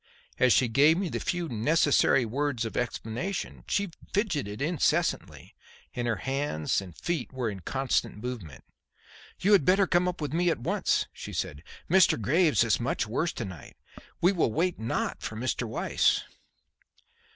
As she gave me the few necessary words of explanation, she fidgeted incessantly and her hands and feet were in constant movement. "You had better come up with me at once," she said. "Mr. Graves is much worse to night. We will wait not for Mr. Weiss."